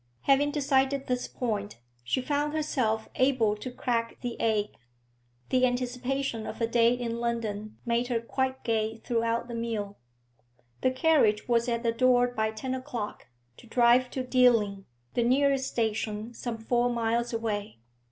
Having decided this point, she found herself able to crack the egg. The anticipation of her day in London made her quite gay throughout the meal. The carriage was at the door by ten o'clock, to drive to Dealing, the nearest station, some four miles away.